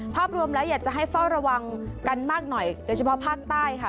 ภาพรวมแล้วอยากจะให้เฝ้าระวังกันมากหน่อยโดยเฉพาะภาคใต้ค่ะ